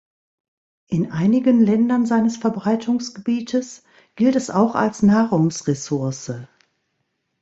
In einigen Ländern seines Verbreitungsgebietes gilt es auch als Nahrungsressource.